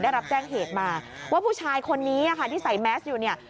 ได้รับแจ้งเหตุมาว่าผู้ชายคนนี้ค่ะที่ใส่แมสอยู่เนี่ย